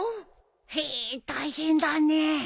へえ大変だね。